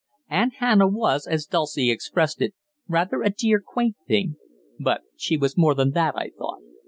Aunt Hannah was, as Dulcie expressed it, "rather a dear, quaint thing." But she was more than that, I thought.